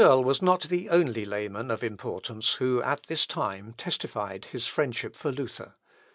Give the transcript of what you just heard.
Scheurl was not the only layman of importance who, at this time, testified his friendship for Luther.